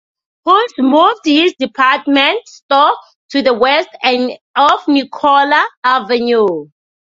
Howse moved his department store to the west end of Nicola Avenue.